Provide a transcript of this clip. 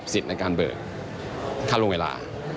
สิทธิ์ในการเบิกค่าลงเวลา